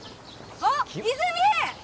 あっ泉！